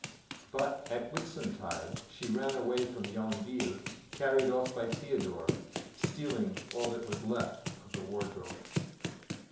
But at Whitsuntide she ran away from Yonville, carried off by Theodore, stealing all that was left of the wardrobe.